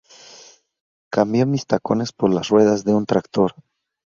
Cambio mis tacones por las ruedas de un tractor.